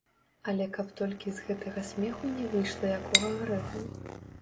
Але каб толькі з гэтага смеху не выйшла якога грэху?